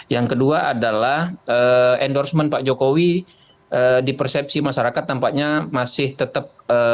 yang kedua adalah endorsement pak jokowi di persepsi masyarakat tampaknya masih tetap